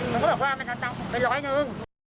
น้องค่ะบอกว่ามันทำตังค์ไปร้อยหนึ่ง